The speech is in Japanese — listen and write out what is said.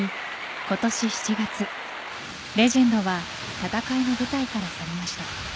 今年７月レジェンドは戦いの舞台から去りました。